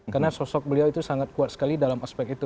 karena sosok beliau itu sangat kuat sekali dalam aspek itu